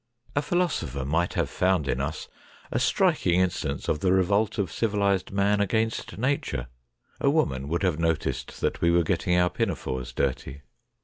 A philosopher might have found in us a striking instance of the revolt of civilised man against Nature ; a woman would have noticed that we were getting our pinafores dirty.